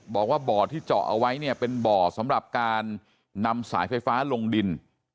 บอกว่าบ่อที่เจาะเอาไว้เนี่ยเป็นบ่อสำหรับการนำสายไฟฟ้าลงดิน